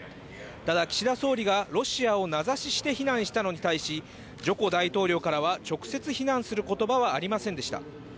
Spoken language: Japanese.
ただ岸田総理が、ロシアを名指しして非難したのに対し、ジョコ大統領からは直接非難することばはありませんでした。